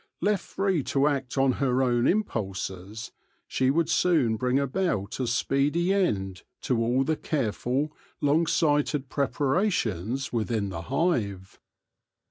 Left free to act on her own impulses, she would soon bring about a speedy end to all the care ful, long sighted preparations within the hive.